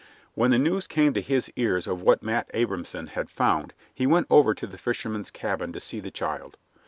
When the news came to his ears of what Matt Abrahamson had found he went over to the fisherman's cabin to see the child.